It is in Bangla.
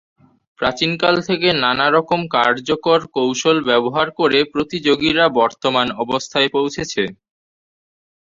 প্রাচীন কাল থেকে, নানারকম কার্যকর কৌশল ব্যবহার করে প্রতিযোগীরা বর্তমান অবস্থায় পৌঁছেছে।